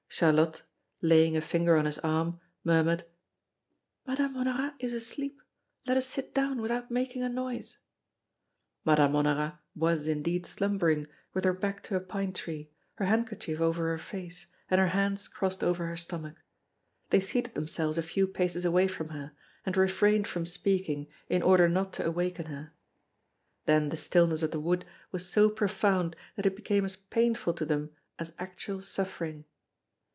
Charlotte, laying a finger on his arm, murmured: "Madame Honorat is asleep. Let us sit down without making a noise." Madame Honorat was, indeed, slumbering, with her back to a pine tree, her handkerchief over her face and her hands crossed over her stomach. They seated themselves a few paces away from her, and refrained from speaking in order not to awaken her. Then the stillness of the wood was so profound that it became as painful to them as actual suffering.